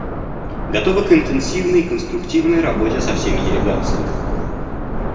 Готовы к интенсивной и конструктивной работе со всеми делегациями.